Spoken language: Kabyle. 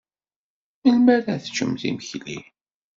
Melmi ara teččemt imekli?